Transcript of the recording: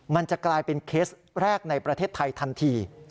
มันจะกลายเป็นเคสแรกในประเทศไทยทันที